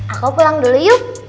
aku pulang dulu yuk